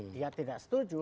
dia tidak setuju